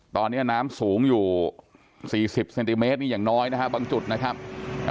ตอนนี้น้ำสูงอยู่สี่สิบเซนติเมตรนี่อย่างน้อยนะฮะบางจุดนะครับ